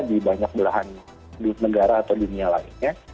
di banyak belahan negara atau dunia lainnya